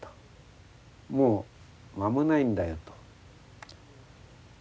「もう間もないんだよ」と。